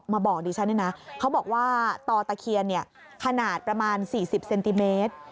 บอกดิฉันเนี่ยนะเขาบอกว่าต่อตะเคียนขนาดประมาณ๔๐เซนติเมตร